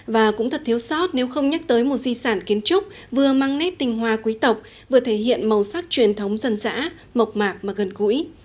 và cũng thật thiếu sót nếu không nhắc tới một di sản kiến trúc vừa mang nét tình hòa quý tộc vừa thể hiện màu sắc truyền thống dân dã mộc mạc mà gần gũi